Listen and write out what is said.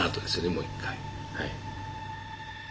もう一回。